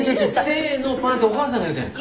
せのパンっておかあさんが言うたやんか。